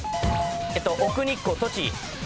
奥日光栃木。